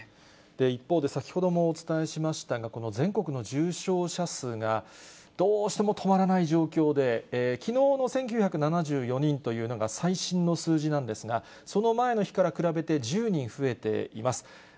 一方で、先ほどもお伝えしましたが、全国の重症者数がどうしても止まらない状況で、きのうの１９７４人というのが最新の数字なんですが、その前の日から比べて１０人増えています。